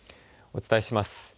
お伝えします。